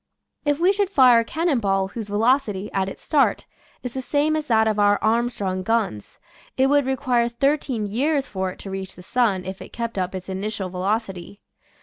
If we should fire a cannon ball whose velocity, at its start, is the same as that of our Armstrong guns, it would require thirteen years for it to reach the sun if it kept up its initial velocity.